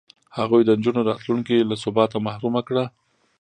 هغوی د نجونو راتلونکې له ثباته محرومه کړه.